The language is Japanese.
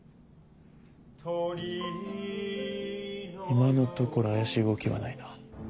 今のところ怪しい動きはないな。